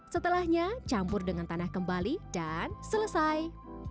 setelahnya campur dengan tanah kembali dan selesai